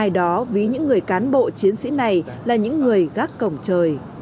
đó ví những người cán bộ chiến sĩ này là những người gác cổng trời